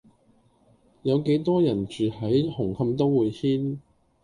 有幾多人住喺紅磡都會軒